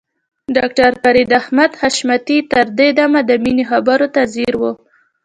ډاکټر فريد احمد حشمتي تر دې دمه د مينې خبرو ته ځير و.